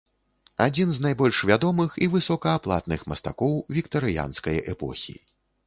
Адзін з найбольш вядомых і высокааплатных мастакоў віктарыянскай эпохі.